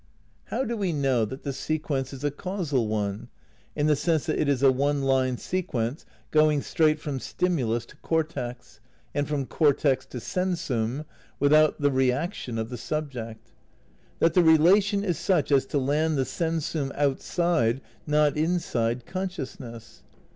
How do we know that the sequence is a causal one, in the sense that it is a one line sequence going straight from stimulus to cortex, and from cortex to senswm, without the reaction of the subject? That the relation is such as to land the sensum outside not inside consciousness?